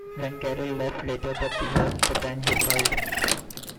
When Carole left later that year the band dissolved.